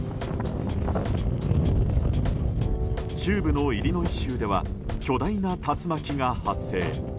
中部のイリノイ州では巨大な竜巻が発生。